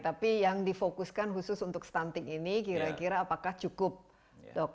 tapi yang difokuskan khusus untuk stunting ini kira kira apakah cukup dok